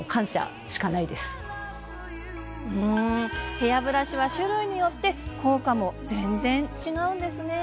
ヘアブラシは種類によって効果も全然違うんですね。